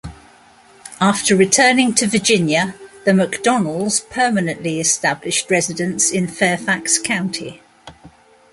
After returning to Virginia, the McDonnells permanently established residence in Fairfax County.